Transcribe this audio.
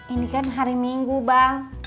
ini kan hari minggu bang